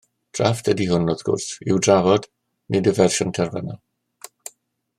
Drafft ydy hwn wrth gwrs i'w drafod, nid y fersiwn terfynol